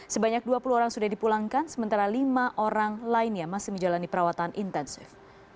sebanyak dua puluh orang sudah dipulangkan sementara lima orang lainnya masih menjalani perawatan intensif